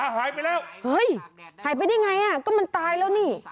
หายไปแล้วหยไปได้ไงอ่ะก็มันตายแล้วนี่